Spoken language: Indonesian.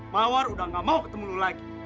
mawar udah gak mau ketemu lu lagi